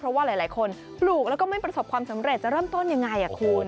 เพราะว่าหลายคนปลูกแล้วก็ไม่ประสบความสำเร็จจะเริ่มต้นยังไงคุณ